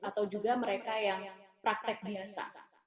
atau juga mereka yang praktek biasa